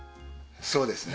そうですね。